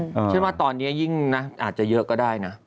ฉันว่าตอนนี้ยิ่งนะอาจจะเยอะก็ได้นะ